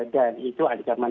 dan itu ancaman